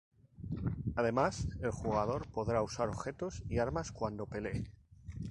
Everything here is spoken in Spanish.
Además, el jugador podrá usar objetos y armas cuando pelee.